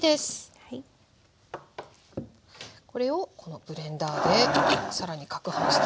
これをこのブレンダーで更にかくはんして。